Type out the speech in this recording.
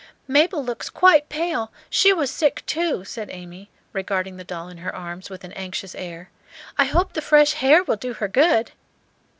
"Mabel looks quite pale; she was sick, too," said Amy, regarding the doll in her arms with an anxious air. "I hope the fresh h'air will do her good."